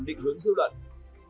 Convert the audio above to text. định hướng dư luận một trong những mục